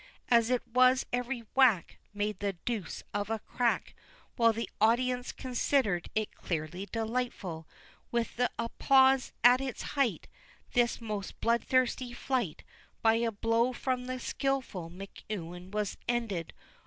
As it was, every whack Make the deuce of a crack, While the audience considered it clearly delightful. With th' applause at its height, This most bloodthirsty fight, By a blow from the skilful McEwen was ended.